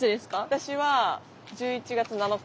私は１１月７日。